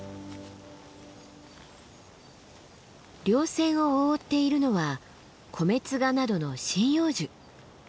稜線を覆っているのはコメツガなどの針葉樹。